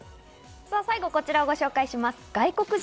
最後はこちらをご紹介します。